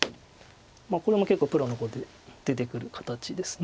これも結構プロの碁で出てくる形です。